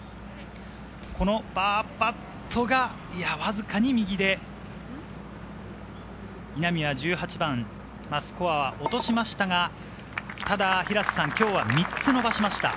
このパーパットがわずかに右で、稲見は１８番スコアは落としましたが、ただ今日は３つ伸ばしました。